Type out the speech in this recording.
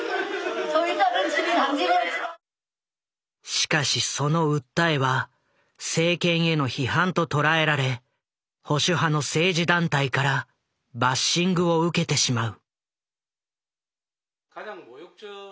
しかしその訴えは政権への批判と捉えられ保守派の政治団体からバッシングを受けてしまう。